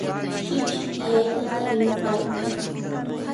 Shipshi qillayniitami uqrarquu.